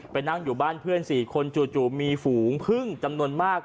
นั่งอยู่บ้านเพื่อน๔คนจู่มีฝูงพึ่งจำนวนมาก